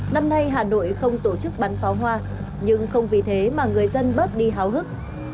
năm nay hà nội không tổ chức bắn pháo hoa nhưng không vì thế mà người dân bớt đi háo hức